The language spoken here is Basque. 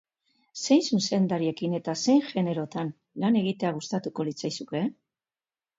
Zein zuzendarirekin eta zein generotan lan egitea gustatuko litzaizuke?